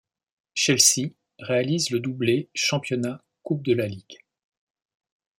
Chelsea réalise le doublé Championnat-Coupe de la Ligue.